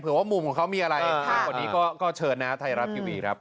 เผื่อว่ามุมของเขามีอะไรตอนนี้ก็เชิญนะถ้ายารับอยู่ดีครับ